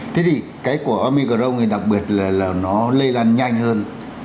thế thì cái của amicron thì đặc biệt là nó lây lan nhanh hơn